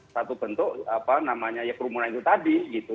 satu bentuk apa namanya ya kerumunan itu tadi gitu